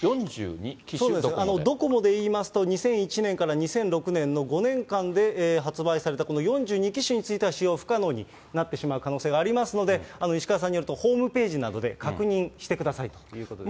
ドコモで言いますと、２００１年から２００６年の５年間で発売された４２機種については、使用不可能になってしまう可能性がありますので、石川さんによると、ホームページなどで確認してくださいということですね。